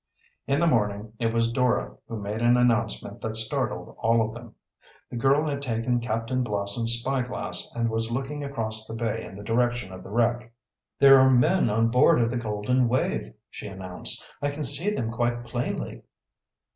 In the morning it was Dora who made an announcement that startled all of them. The girl had taken Captain Blossom's spyglass and was looking across the bay in the direction of the wreck. "There are men on board of the Golden Wave" she announced. "I can see them quite plainly."